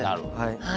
はい。